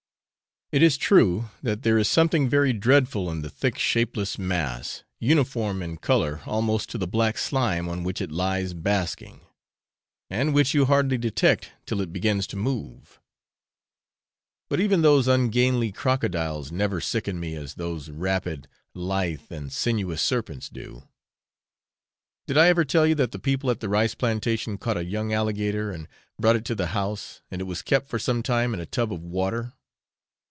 It is true that there is something very dreadful in the thick shapeless mass, uniform in colour almost to the black slime on which it lies basking, and which you hardly detect till it begins to move. But even those ungainly crocodiles never sickened me as those rapid, lithe, and sinuous serpents do. Did I ever tell you that the people at the rice plantation caught a young alligator and brought it to the house, and it was kept for some time in a tub of water?